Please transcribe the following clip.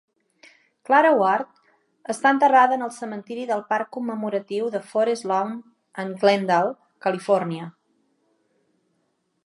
Clara Ward està enterrada en el cementiri del parc commemoratiu de Forest Lawn en Glendale, Califòrnia.